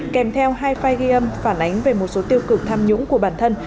kèm theo hai file ghi âm phản ánh về một số tiêu cực tham nhũng của bản thân